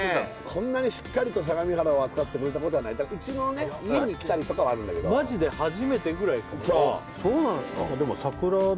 こんなにしっかりと相模原を扱ってくれたことはないうちのね家に来たりとかはあるんだけどマジで初めてぐらいかもそうなんですか